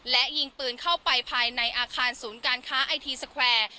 และยิงปืนเข้าไปภายในอาคารศูนย์การค้าไอทีสแควร์